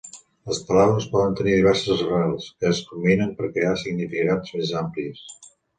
Les paraules poden tenir diverses arrels, que es combinen per crear significats més amplis.